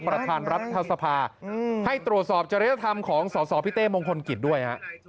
ประธานรัฐสภาให้ตรวจสอบจริยธรรมของสสพี่เต้มงคลกิจด้วยฮะ